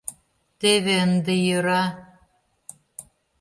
Теве, ынде йӧра...